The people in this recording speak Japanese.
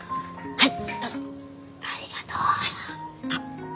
はい。